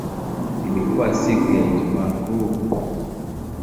Ilikuwa siku ya Ijumaa Kuu.